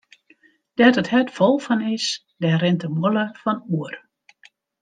Dêr't it hert fol fan is, dêr rint de mûle fan oer.